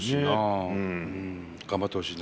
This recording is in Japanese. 頑張ってほしいね。